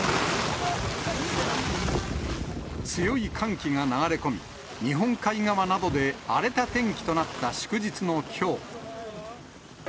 強い寒気が流れ込み、日本海側などで荒れた天気となった祝日のきょう。